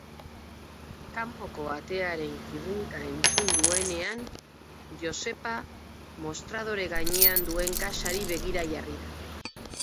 Kanpoko atearen kirrinka entzun duenean Joxepa mostradore gainean duen kaxari begira jarri da.